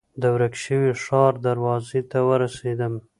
د ورک شوي ښار دروازې ته ورسېدم.